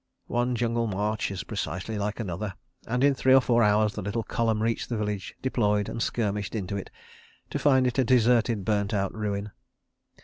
One jungle march is precisely like another—and in three or four hours the little column reached the village, deployed, and skirmished into it, to find it a deserted, burnt out ruin.